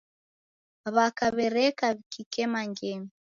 W'aka w'ereka w'ikikema ngemi.